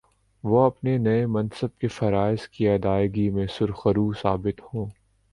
وہ اپنے نئے منصب کے فرائض کی ادائیگی میں سرخرو ثابت ہوں